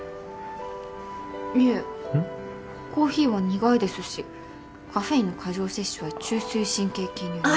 コーヒーは苦いですしカフェインの過剰摂取は中枢神経系の。